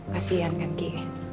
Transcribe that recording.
kasian kan gi